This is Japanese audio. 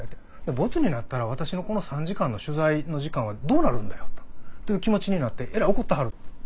「ボツになったら私のこの３時間の取材の時間はどうなるんだよ」という気持ちになってえらい怒ってはる。